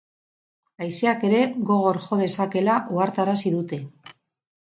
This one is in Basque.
Haizeak ere gogor jo dezakeela ohartarazi dute.